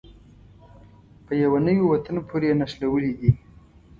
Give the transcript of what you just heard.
په يوه نوي وطن پورې یې نښلولې دي.